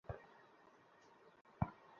তুমি আমাকে বাঁচাতে চাচ্ছ না।